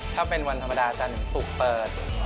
ถ้าเป็นวันธรรมดาจาก๑ศุกร์เปิด